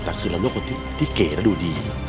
แต่คือเราเลือกคนที่เก๋และดูดี